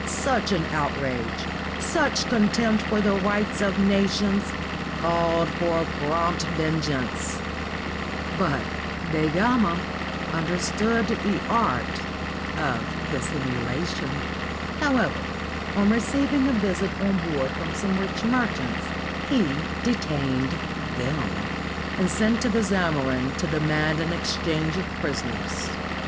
Such an outrage, such contempt for the rights of na tions, called for prompt vengeance, but Da Gama un derstood the art of dissimulation ; however, on receiving a visit on board from some rich merchants, he detained them, and sent to the Zamorin to demand an exchange of prisoners.